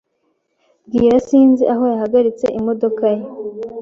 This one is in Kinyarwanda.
Bwira sinzi aho yahagaritse imodoka ye.